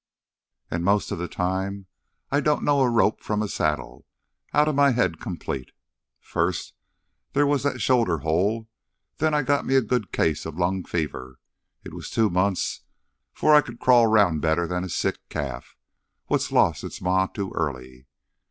"An' most of th' time I didn't know a rope from a saddle—outta my head complete. First there was that shoulder hole; then I got me a good case of lung fever. It was two months 'fore I could crawl round better'n a sick calf what lost its ma too early.